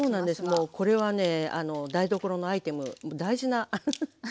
もうこれはね台所のアイテム大事なウフフ。